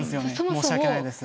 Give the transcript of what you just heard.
申し訳ないです。